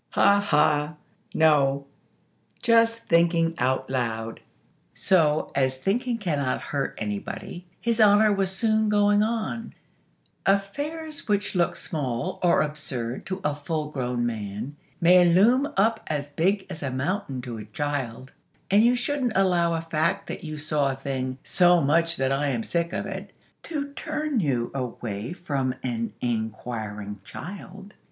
"Ha, ha! No. Just thinking out loud." So, as thinking cannot hurt anybody, His Honor was soon going on: "Affairs which look small or absurd to a full grown man may loom up as big as a mountain to a child; and you shouldn't allow a fact that you saw a thing 'so much that I am sick of it,' to turn you away from an inquiring child.